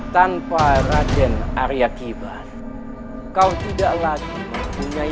tanpa raden arya kiban kau tidak lagi mempunyai penghalang untuk menjadi raja